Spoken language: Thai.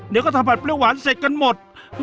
เดี๋ยวก็ทำผัดเปรี้ยหวานเสร็จกันหมด